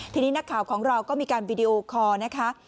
ทีนี้นักข่าวของเราก็มีการวิดีโอคอร์นะคะ